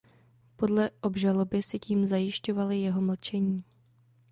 Podle obžaloby si tím zajišťovali jeho mlčení.